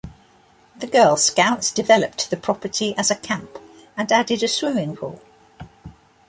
The Girl Scouts developed the property as a camp, and added a swimming pool.